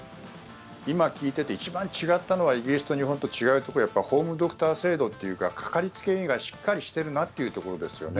今、聞いていて一番違ったのはイギリスと日本と違うところはホームドクター制度というかかかりつけ医がしっかりしているなっていうところですよね。